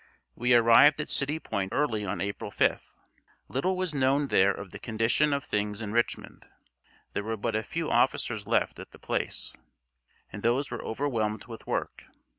We arrived at City Point early on April 5th. Little was known there of the condition of things in Richmond. There were but a few officers left at the place, and those were overwhelmed with work.